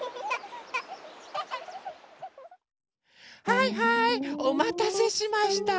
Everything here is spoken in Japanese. はいはいおまたせしました！